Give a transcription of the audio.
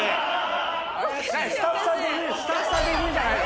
スタッフさんでいるんじゃないの？